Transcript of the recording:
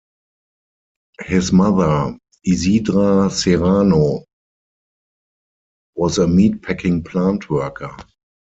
His mother Isidra Serrano was a meatpacking plant worker.